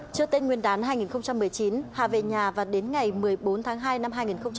trước tên nguyên đán hai nghìn một mươi chín hà về nhà và đến ngày một mươi bốn tháng hai năm hai nghìn hai mươi